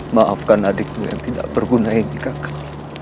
maafkan adikmu yang tidak berguna ini kakak